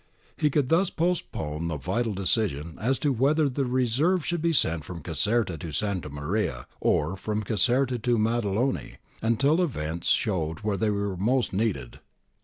He could thus postpone the vital decision as to whether the reserve should be sent from Caserta to Santa Maria, or from Caserta to Maddaloni, until events showed where they were most needed.